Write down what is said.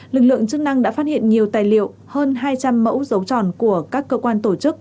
lực lượng chức năng đã phát hiện nhiều tài liệu hơn hai trăm linh mẫu dấu tròn của các cơ quan tổ chức